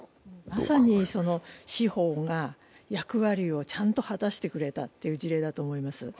まさに司法が役割をちゃんと果たしてくれたっていう事例だと思います。